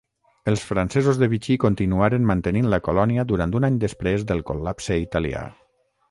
Els francesos de Vichy continuaren mantenint la colònia durant un any després del col·lapse italià.